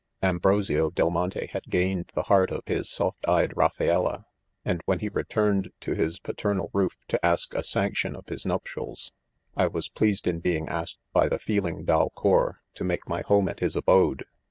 Ambrosio del Monte ■had gained the heart of his soft eyed Raph aella ; and when he returned to his paternal roof, to ask a sanction of his nuptials, I was pleased in being asked, by the feeling Dale our ? to make my home at his abode.